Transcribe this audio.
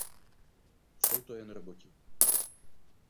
Jsou to jen Roboti.